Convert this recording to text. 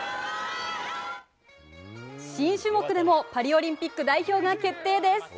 新種目でもパリオリンピック代表が決定です。